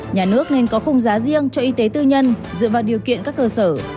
nhà nước nên có khung giá riêng cho y tế tư nhân dựa vào điều kiện các cơ sở